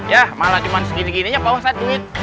yah malah cuman segini gininya apa wah saya duit